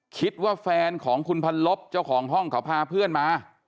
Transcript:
คิดว่าแฟนของคุณพันลบเจ้าของห้องเขาพาเพื่อนมา